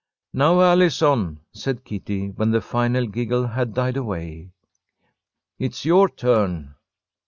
"Now, Allison," said Kitty, when the final giggle had died away. "It's your turn."